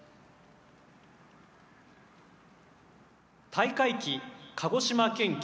大会旗、鹿児島県旗